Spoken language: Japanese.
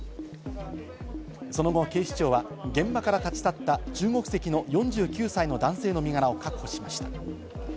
その後、警視庁は現場から立ち去った中国籍の４９歳の男性の身柄を確保しました。